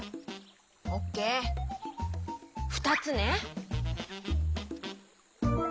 オッケーふたつね。